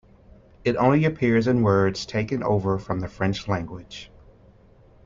It only appears in words taken over from the French language.